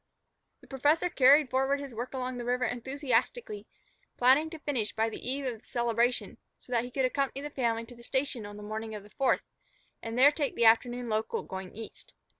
The professor carried forward his work along the river enthusiastically, planning to finish by the eve of the celebration, so that he could accompany the family to the station on the morning of the Fourth, and there take the afternoon local going east.